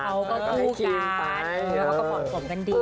เขาก็คู่กันเขาก็บอกผมกันดี